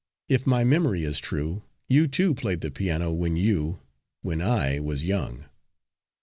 "If my memory is true, you too played the piano when you when I was young."